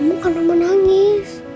ibu kenapa nangis